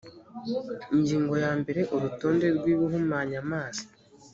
ingingo ya mbere urutonde rw’ibihumanya amazi